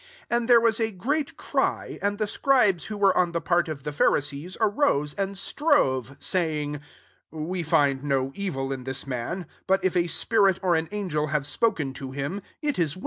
9 And there was a great cry 9 and the scribes wko vfere on the part of the Pharisees arose and strore, saying, •< We &id no evil in this man : but if a spirit or an ingel have spoken to him, it 'i »